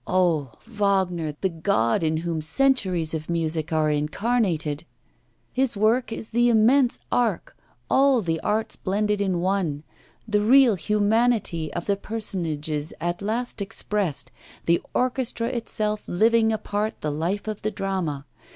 Oh! Wagner, the god in whom centuries of music are incarnated! His work is the immense ark, all the arts blended in one; the real humanity of the personages at last expressed, the orchestra itself living apart the life of the drama.